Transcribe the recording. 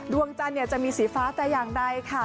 ดวงจันทร์จะมีสีฟ้าแต่อย่างใดค่ะ